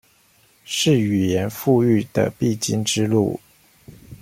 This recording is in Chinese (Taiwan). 是語言復育的必經之路